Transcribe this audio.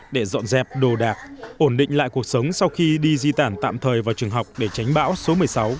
để dọn dẹp đồ đạc ổn định lại cuộc sống sau khi đi di tản tạm thời vào trường học để tránh bão số một mươi sáu